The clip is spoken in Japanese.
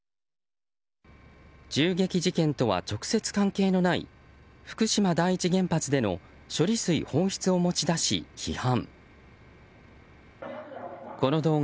銃撃事件とは直接関係のない福島第一原発での処理水放出を持ち出し、批判。